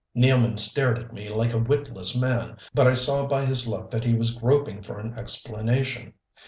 Nealman stared at me like a witless man, but I saw by his look that he was groping for an explanation.